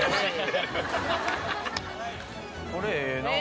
これええなあ。